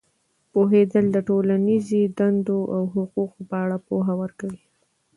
پوهېدل د ټولنیزې دندو او حقونو په اړه پوهه ورکوي.